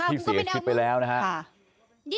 ที่เสียชีวิตไปแล้วนะครับ